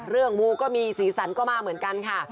งูก็มีสีสันก็มาเหมือนกันค่ะ